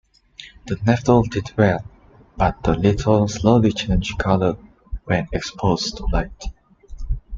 The Naphtol did well, but the Lithol slowly changed color when exposed to light.